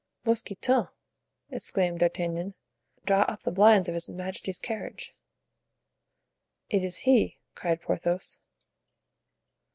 "Mousqueton!" exclaimed D'Artagnan, "draw up the blinds of his majesty's carriage." "It is he!" cried Porthos.